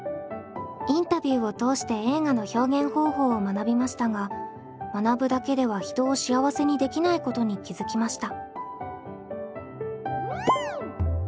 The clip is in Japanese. インタビューを通して映画の表現方法を学びましたが学ぶだけでは人を幸せにできないことに気付きました。